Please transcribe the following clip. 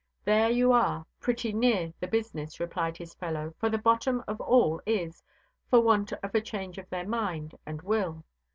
There you are pretty near the business, replied his fellow; for the bottom of all is, for want of a change of their mind and will.